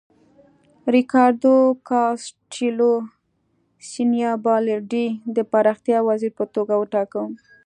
ریکاردو کاسټیلو سینیبالډي د پراختیا وزیر په توګه وټاکه.